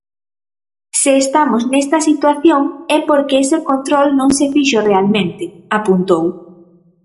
Se estamos nesta situación é porque ese control non se fixo realmente, apuntou.